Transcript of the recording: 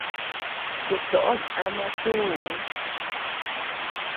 Kutoʼon ama tuu.